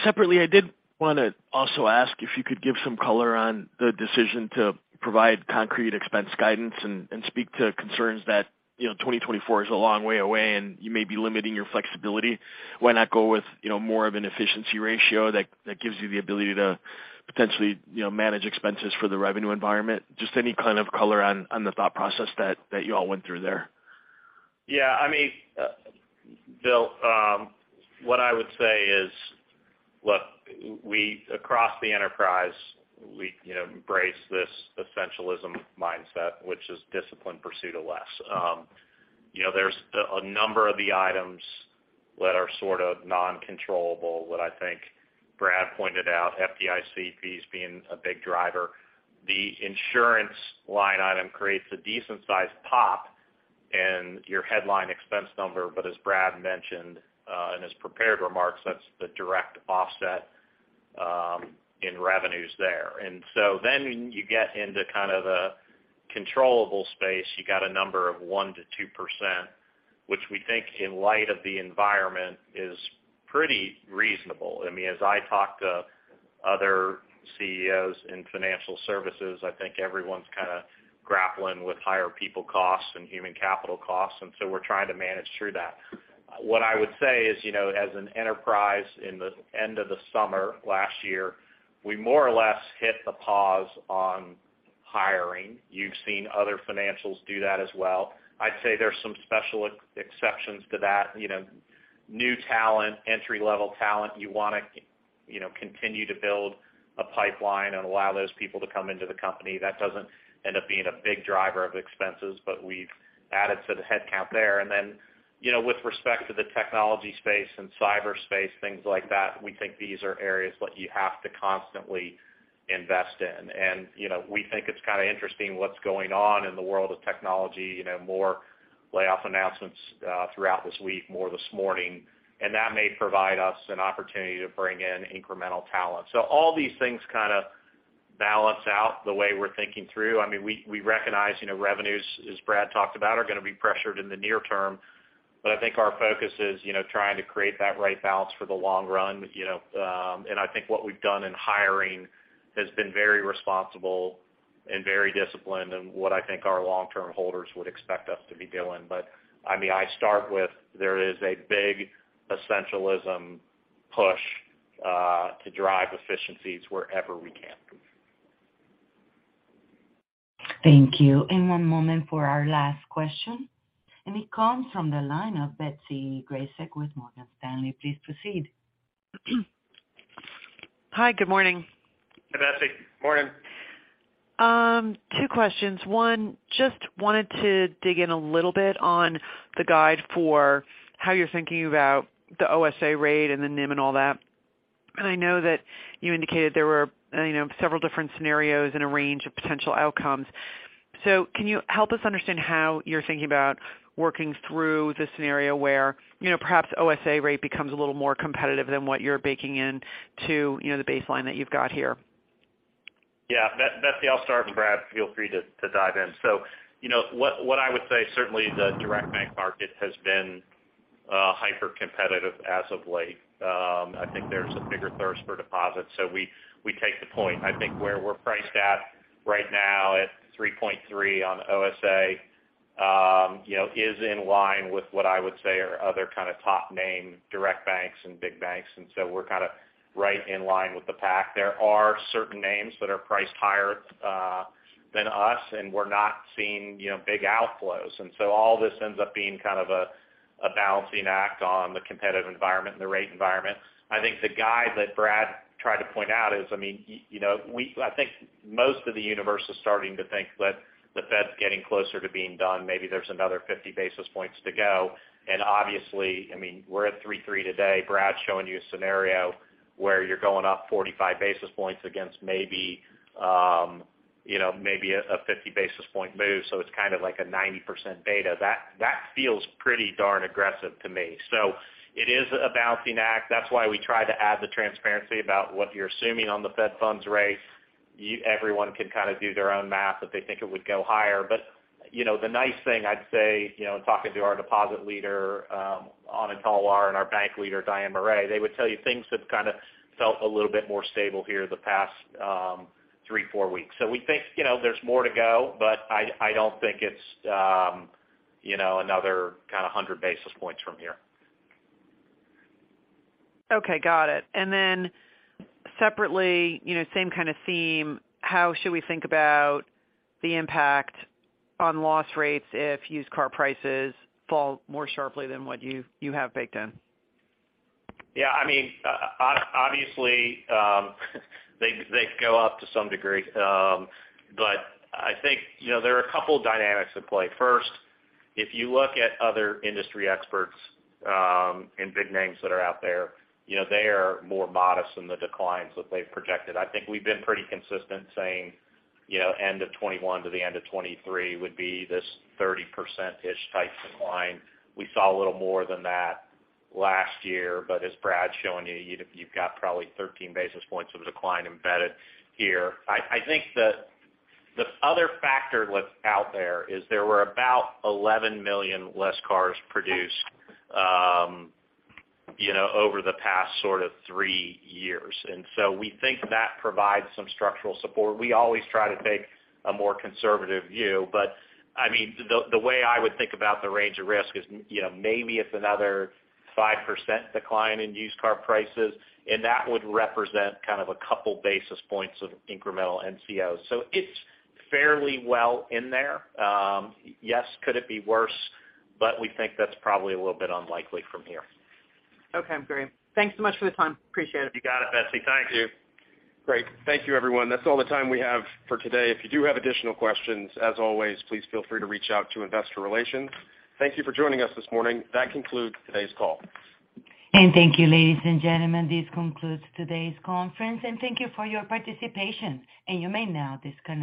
Separately, I did wanna also ask if you could give some color on the decision to provide concrete expense guidance and speak to concerns that, you know, 2024 is a long way away and you may be limiting your flexibility. Why not go with, you know, more of an efficiency ratio that gives you the ability to potentially, you know, manage expenses for the revenue environment? Just any kind of color on the thought process that you all went through there? I mean, Bill, what I would say is, look, across the enterprise, we, you know, embrace this essentialism mindset, which is disciplined pursuit of less. You know, there's a number of the items that are sort of non-controllable that I think Brad pointed out, FDIC fees being a big driver. The insurance line item creates a decent sized pop in your headline expense number. As Brad mentioned, in his prepared remarks, that's the direct offset in revenues there. You get into kind of the controllable space. You got a number of 1%-2%, which we think in light of the environment is pretty reasonable. I mean, as I talk to other CEOs in financial services, I think everyone's kinda grappling with higher people costs and human capital costs, and so we're trying to manage through that. What I would say is, you know, as an enterprise in the end of the summer last year, we more or less hit the pause on hiring. You've seen other financials do that as well. I'd say there's some special ex-exceptions to that. You know, new talent, entry-level talent, you wanna, you know, continue to build a pipeline and allow those people to come into the company. That doesn't end up being a big driver of expenses, but we've added to the headcount there. You know, with respect to the technology space and cyber space, things like that, we think these are areas that you have to constantly invest in. You know, we think it's kind of interesting what's going on in the world of technology, you know, more layoff announcements throughout this week, more this morning, and that may provide us an opportunity to bring in incremental talent. All these things kind of balance out the way we're thinking through. I mean, we recognize, you know, revenues, as Brad talked about, are gonna be pressured in the near term. I think our focus is, you know, trying to create that right balance for the long run. You know, and I think what we've done in hiring has been very responsible and very disciplined and what I think our long-term holders would expect us to be doing. I mean, I start with there is a big essentialism push to drive efficiencies wherever we can. Thank you. One moment for our last question, and it comes from the line of Betsy Graseck with Morgan Stanley. Please proceed. Hi. Good morning. Hi, Betsy. Morning. Two questions. One, just wanted to dig in a little bit on the guide for how you're thinking about the OSA rate and the NIM and all that. I know that you indicated there were, you know, several different scenarios and a range of potential outcomes. Can you help us understand how you're thinking about working through the scenario where, you know, perhaps OSA rate becomes a little more competitive than what you're baking in to, you know, the baseline that you've got here? Yeah. Betsy, I'll start and Brad feel free to dive in. You know, what I would say certainly the direct bank market has been hypercompetitive as of late. I think there's a bigger thirst for deposits. We take the point. I think where we're priced at right now at 3.3 on OSA, you know, is in line with what I would say are other kind of top name direct banks and big banks. We're kind of right in line with the pack. There are certain names that are priced higher than us, and we're not seeing, you know, big outflows. All this ends up being kind of a balancing act on the competitive environment and the rate environment. I think the guide that Brad tried to point out is, I mean, you know, I think most of the universe is starting to think that the Fed's getting closer to being done. Maybe there's another 50 basis points to go. Obviously, I mean, we're at 3.3 today. Brad's showing you a scenario where you're going up 45 basis points against maybe, you know, a 50 basis point move, so it's kind of like a 90% beta. That feels pretty darn aggressive to me. It is a balancing act. That's why we try to add the transparency about what you're assuming on the Fed funds rate. everyone can kind of do their own math if they think it would go higher. You know, the nice thing I'd say, you know, in talking to our deposit leader, Anand Talwar, and our bank leader, Diane Morais, they would tell you things have kinda felt a little bit more stable here the past, three, four weeks. We think, you know, there's more to go, but I don't think it's, you know, another kinda 100 basis points from here. Okay, got it. Separately, you know, same kind of theme, how should we think about the impact on loss rates if used car prices fall more sharply than what you have baked in? Yeah, I mean, obviously, they could go up to some degree. I think, you know, there are a couple of dynamics at play. First, if you look at other industry experts, and big names that are out there, you know, they are more modest in the declines that they've projected. I think we've been pretty consistent saying, you know, end of 2021 to the end of 2023 would be this 30%-ish type decline. We saw a little more than that last year, but as Brad's showing you've got probably 13 basis points of decline embedded here. I think the other factor that's out there is there were about 11 million less cars produced, you know, over the past sort of three years. We think that provides some structural support. We always try to take a more conservative view, but, I mean, the way I would think about the range of risk is, you know, maybe it's another 5% decline in used car prices, and that would represent kind of a couple basis points of incremental NCO. It's fairly well in there. Yes, could it be worse? We think that's probably a little bit unlikely from here. Okay, great. Thanks so much for the time. Appreciate it. You got it, Betsy. Thank you. Great. Thank you, everyone. That's all the time we have for today. If you do have additional questions, as always, please feel free to reach out to Investor Relations. Thank you for joining us this morning. That concludes today's call. Thank you, ladies and gentlemen. This concludes today's conference. Thank you for your participation. You may now disconnect.